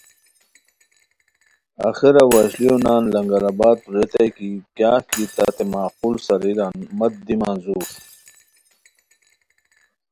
آخرا وشلیونان لنگرآبادوت ریتائےکی کیاغ کی تتے معقول ساریران مت دی منظور